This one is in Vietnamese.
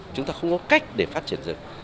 chúng ta không có cách để phát triển rừng